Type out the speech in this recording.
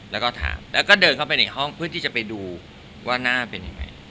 แล้วก็ถามแล้วก็เดินเข้าไปในห้องเพื่อที่จะไปดูว่าหน้าเป็นยังไง